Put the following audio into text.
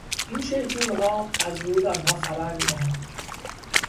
این شیپورها از ورود آنها خبر میدهند.